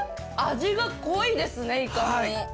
味が濃いですねイカの。